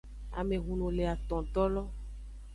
Amehunu le atontolo.